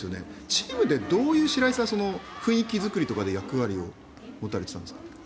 チームでどういう雰囲気作りとかで白井さん役割を持たれてたんですか？